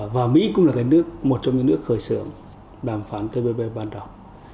và mỹ cũng là một trong những nước khởi xưởng đàm phán tpp ban đầu